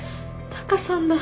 タカさんだ。